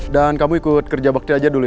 dan kamu ikut kerja bakti dulu ya